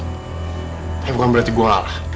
tapi bukan berarti gue lalah